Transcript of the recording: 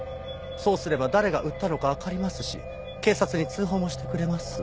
そうすれば誰が売ったのかわかりますし警察に通報もしてくれます。